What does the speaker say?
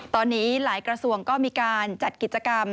ตอนนี้หลายกระทรวงก็มีการจัดกิจกรรม